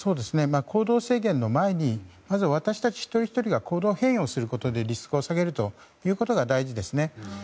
行動制限の前にまず私たち一人ひとりが行動変容をすることでリスクを下げるのが大事ですね。